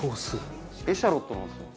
エシャロットなんですよ。